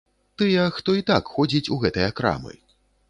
Тыя, хто і так ходзіць у гэтыя крамы.